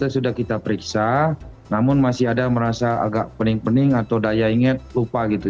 kemarin itu sudah kita periksa namun masih ada yang merasa agak pening pening atau daya inget lupa gitu